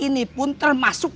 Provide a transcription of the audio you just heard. ini pun termasuk